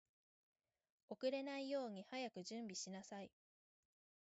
遅れないように早く準備しなさい